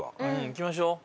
行きましょう。